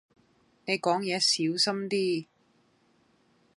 你講野小心啲